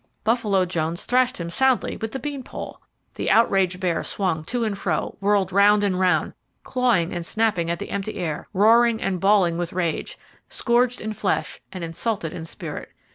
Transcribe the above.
Buffalo Jones thrashed him soundly with the bean pole! The outraged bear swung to and fro, whirled round and round, clawing and snapping at the empty air, roaring and bawling with rage, scourged in flesh and insulted in spirit.